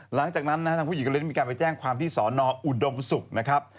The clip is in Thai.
หลังจากนั้นนะฮะทางผู้หญิงก็เลยได้มีการไปแจ้งความที่สอนออุดมศุกร์นะครับ